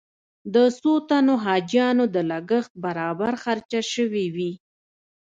د څو تنو حاجیانو د لګښت برابر خرچه شوې وي.